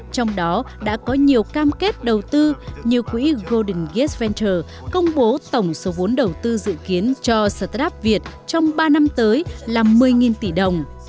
trong đó đã có nhiều cam kết đầu tư như quỹ golden gas ventur công bố tổng số vốn đầu tư dự kiến cho start up việt trong ba năm tới là một mươi tỷ đồng